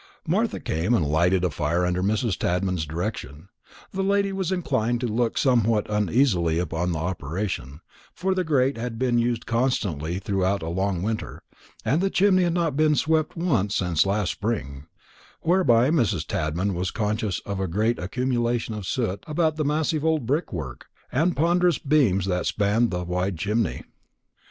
Martha came and lighted a fire under Mrs. Tadman's direction. That lady was inclined to look somewhat uneasily upon the operation; for the grate had been used constantly throughout a long winter, and the chimney had not been swept since last spring, whereby Mrs. Tadman was conscious of a great accumulation of soot about the massive old brickwork and ponderous beams that spanned the wide chimney.